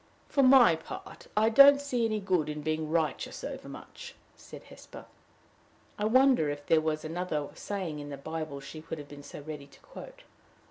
"For my part, I don't see any good in being righteous overmuch," said Hesper. I wonder if there was another saying in the Bible she would have been so ready to quote!